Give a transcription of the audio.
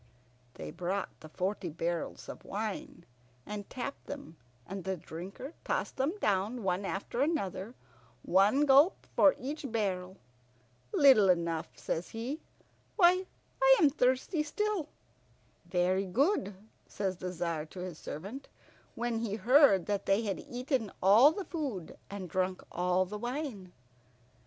They brought the forty barrels of wine, and tapped them, and the Drinker tossed them down one after another, one gulp for each barrel. "Little enough," says he, "Why, I am thirsty still." "Very good," says the Tzar to his servant, when he heard that they had eaten all the food and drunk all the wine.